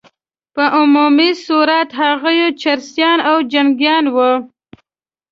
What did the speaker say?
په عمومي صورت هغوی چرسیان او جنګیان وه.